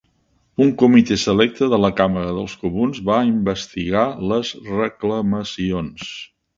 Un comitè selecte de la Cambra dels Comuns va investigar les reclamacions.